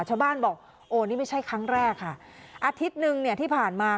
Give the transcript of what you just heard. ชาวบ้านบอกโอ้นี่ไม่ใช่ครั้งแรกค่ะอาทิตย์หนึ่งเนี่ยที่ผ่านมา